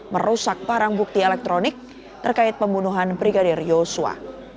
merusak barang bukti elektronik terkait pembunuhan brigadir yosua